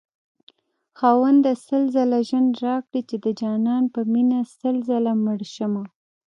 خاونده سل ځله ژوند راكړې چې دجانان په مينه سل ځله مړشمه